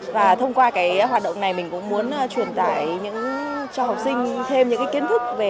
và thông qua cái hoạt động này mình cũng muốn truyền tải cho học sinh thêm những kiến thức về